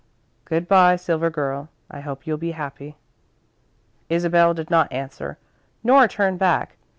"Good bye, Silver Girl. I hope you'll be happy." Isabel did not answer, nor turn back.